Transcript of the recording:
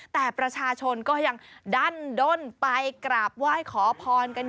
แต่ประชาชนก็ยังดั้นด้นไปกราบไหว้ขอพรกัน